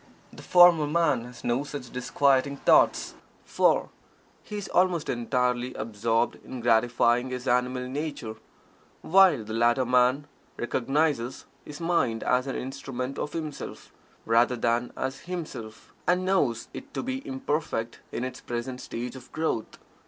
The former man has no such disquieting thoughts, for he is almost entirely absorbed in gratifying his animal nature, while the latter man recognizes his mind as an instrument of himself, rather than as himself, and knows it to be imperfect in its present stage of growth.